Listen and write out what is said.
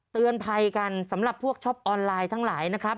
เตือนภัยกันสำหรับพวกช็อปออนไลน์ทั้งหลายนะครับ